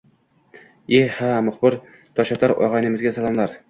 E-ha, muxbir toshotar og`aynimizga salomlar